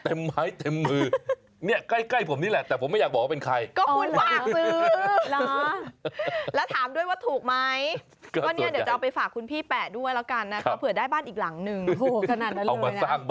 เอามาสร้างบ้านเลยใช่ไหม